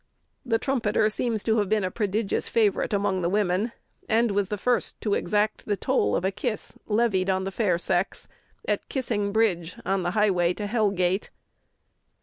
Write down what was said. The Trumpeter seems to have been a prodigious favorite among the women, and was the first to exact the toll of a kiss levied on the fair sex at Kissing Bridge, on the highway to Hellgate.